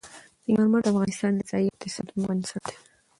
سنگ مرمر د افغانستان د ځایي اقتصادونو بنسټ دی.